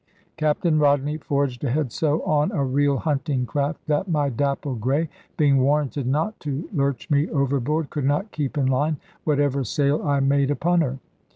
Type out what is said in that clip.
Captain Rodney forged ahead so on a real hunting craft, that my dappled grey, being warranted not to lurch me overboard, could not keep in line whatever sail I made upon her.